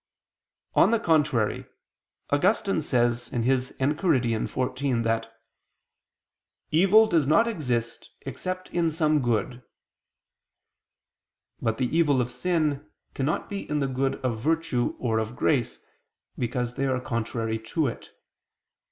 On the contrary, Augustine says (Enchiridion xiv) that "evil does not exist except in some good." But the evil of sin cannot be in the good of virtue or of grace, because they are contrary to it.